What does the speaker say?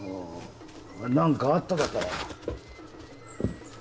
何かあっただか？